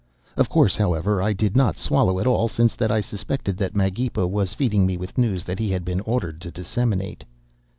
Of course, however, I did not swallow it all, since that I suspected that Magepa was feeding me with news that he had been ordered to disseminate.